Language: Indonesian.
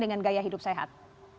dengan gaya hidup sehat